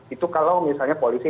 itu kalau misalnya polisi